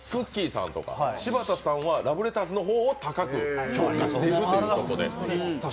さんとか柴田さんはラブレターズの方を高く評価しているということで。